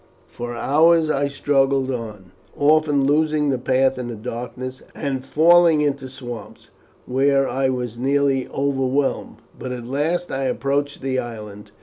"For hours I struggled on, often losing the path in the darkness and falling into swamps, where I was nearly overwhelmed; but at last I approached the island.